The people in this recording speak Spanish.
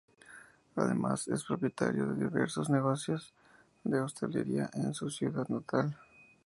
Además, es propietario de diversos negocios de hostelería en su ciudad natal.